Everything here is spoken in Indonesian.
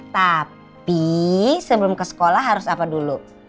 tapi sebelum ke sekolah harus apa dulu